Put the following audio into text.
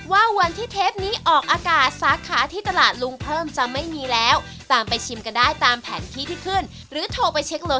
แม่วันนี้ขอบคุณมากครับพี่หนึ่งครับ